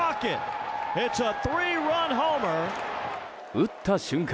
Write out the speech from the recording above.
打った瞬間